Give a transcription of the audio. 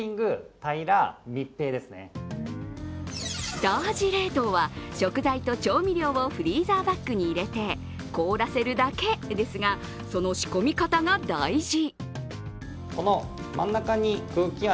下味冷凍は食材と調味料をフリーザーバッグに入れて凍らせるだけですが、その仕込み方が大事。